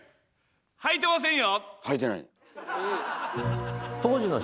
はいてませんよ！